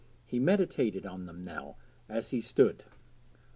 He meditated on them now as he stood.